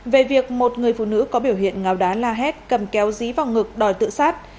về việc một người phụ nữ có biểu hiện ngáo đá la hét cầm kéo dí vào ngực đòi tự sát